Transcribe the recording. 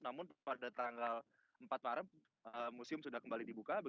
namun pada tanggal empat maret museum sudah kembali dibuka